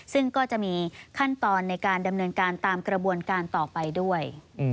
ซึ่งก็จะมีขั้นตอนในการดำเนินการตามกระบวนการต่อไปด้วย